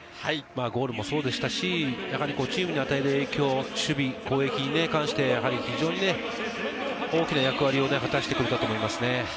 ゴールもそうでしたし、チームに与える影響、攻撃に関して、大きな役割を果たしてくれたと思います。